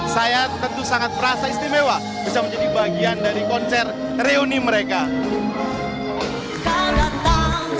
saya tentu sangat merasa istimewa bisa menjadi bagian dari konser reuni mereka